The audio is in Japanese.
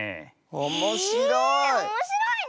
おもしろい！